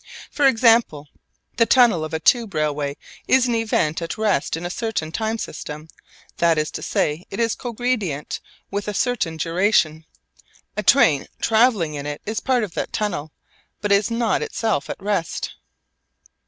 For example, the tunnel of a tube railway is an event at rest in a certain time system, that is to say, it is cogredient with a certain duration. A train travelling in it is part of that tunnel, but is not itself at rest.